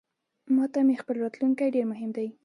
ماته مې خپل راتلونکې ډیرمهم دی